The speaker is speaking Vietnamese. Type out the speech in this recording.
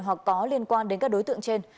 hoặc có liên quan đến các đối tượng trên